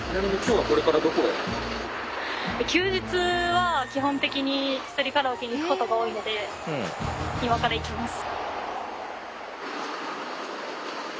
休日は基本的にひとりカラオケに行くことが多いので今から行きます。